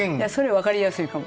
分かりやすいかも。